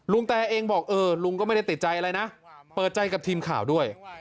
แตเองบอกเออลุงก็ไม่ได้ติดใจอะไรนะเปิดใจกับทีมข่าวด้วย